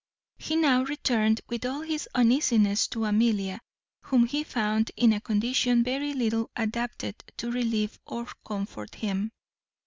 _ He now returned with all his uneasiness to Amelia, whom he found in a condition very little adapted to relieve or comfort him.